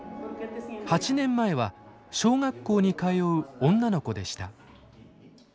８年前は小学校に通う女の子でした。